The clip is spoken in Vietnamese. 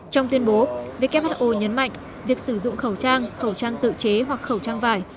trong tuyên bố who nhấn mạnh việc sử dụng khẩu trang khẩu trang tự chế hoặc khẩu trang vải